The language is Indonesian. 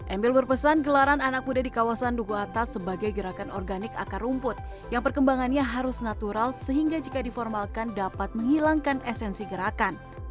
emil berpesan gelaran anak muda di kawasan duku atas sebagai gerakan organik akar rumput yang perkembangannya harus natural sehingga jika diformalkan dapat menghilangkan esensi gerakan